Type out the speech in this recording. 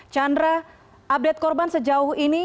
chandra update korban sejauh ini